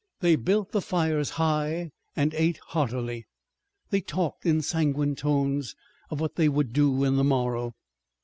They built the fires high, and ate heartily. They talked in sanguine tones of what they would do in the morrow.